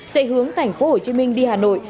chạy hướng tp hcm đi hà nội